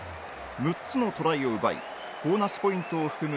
６つのトライを奪いボーナスポイントを含む